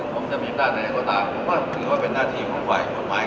ผมจะมีบ้านใดก็ตามผมก็คือว่าเป็นหน้าทีของฝ่าย